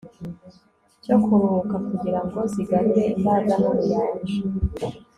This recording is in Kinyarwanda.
cyo kuruhuka kugira ngo zigarure imbaraga nubuyanja